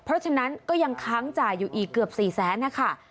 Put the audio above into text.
เพราะฉะนั้นก็ยังค้างจ่ายอยู่อีกเกือบ๔แสนนะคะ